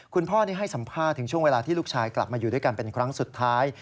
คุณพ่อนี่ให้สัมภาษณ์ถึงช่วงเวลาที่ลูกชายกลับมาอยู่ด้วยกันเป็นครั้งสุดท้าย